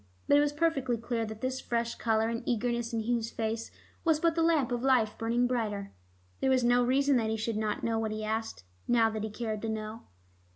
But it was perfectly clear that this fresh color and eagerness in Hugh's face was but the lamp of life burning brighter. There was no reason that he should not know what he asked, now that he cared to know.